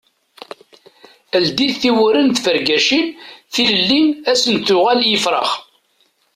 Ldim tiwwura n tfergacin, tilelli ad asen-d-tuɣal i yifrax.